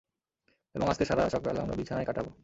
এবং আজকে সারা সকাল আমরা বিছানায় কাটাবো।